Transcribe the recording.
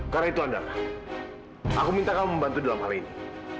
karena itu andara aku minta kamu membantu dalam hal ini